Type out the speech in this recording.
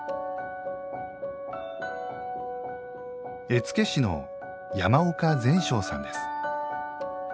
絵付け師の山岡善昇さんです。